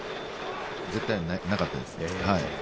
絶対なかったですね。